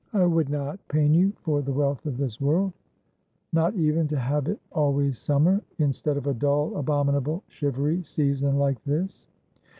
I would not pain you for the wealth of this world — not even to have it always summer, in stead of a dull, abominable, shivery season like this.'